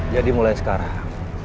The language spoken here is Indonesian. jadi mulai sekarang